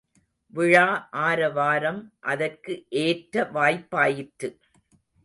விழா ஆரவாரம் அதற்கு ஏற்ற வாய்ப்பாயிற்று.